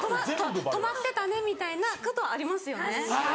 止まってたねみたいなことありますよね。